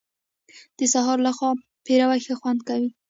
د سهار له خوا پېروی ښه خوند کوي .